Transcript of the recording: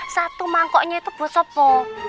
satu mangkoknya itu bosopo